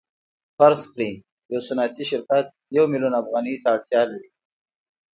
فرض کړئ یو صنعتي شرکت یو میلیون افغانیو ته اړتیا لري